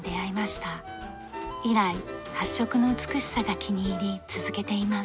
以来発色の美しさが気に入り続けています。